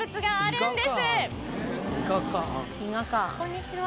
こんにちは。